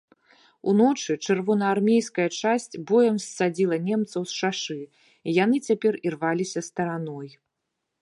Уночы чырвонаармейская часць боем ссадзіла немцаў з шашы, і яны цяпер ірваліся стараной.